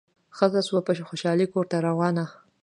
ښځه سوه په خوشالي کورته روانه